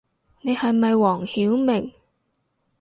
你係咪黃曉明